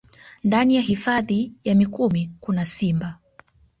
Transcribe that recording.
Ndani ya hifadhi ya Mikumi kuna simba